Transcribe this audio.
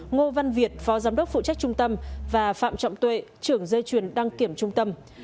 ngô văn việt phó giám đốc phụ trách trung tâm và phạm trọng tuệ trưởng dây chuyền đăng kiểm trung tâm